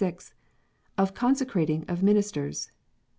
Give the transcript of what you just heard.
Of Consecrating of Ministers.